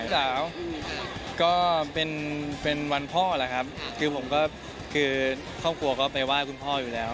สาวก็เป็นวันพ่อแหละครับคือผมก็คือครอบครัวก็ไปไหว้คุณพ่ออยู่แล้ว